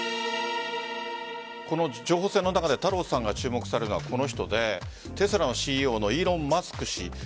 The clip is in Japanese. この情報戦の中で太郎さんが注目されるのはこの人でテスラのＣＥＯのイーロン・マスク氏。